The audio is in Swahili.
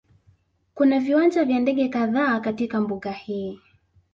Kuna viwanja vya ndege kadhaa katika mbuga hii